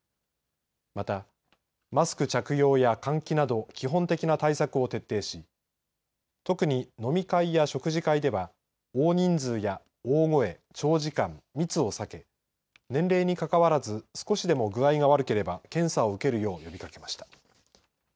また、マスク着用や換気など基本的な対策を徹底し特に飲み会や食事会では大人数や大声、長時間密を避け、年齢にかかわらず少しでも具合が悪ければ検査を受けるよう呼びかけました。